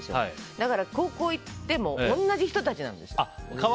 だから高校行っても同じ人たちなんですよ。